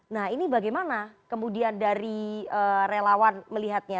nah ini bagaimana kemudian dari relawan melihatnya